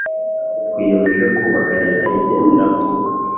Twiyemeje kubaka leta igendera ku